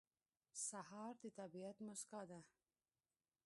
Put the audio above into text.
سهار د طبیعت موسکا ده.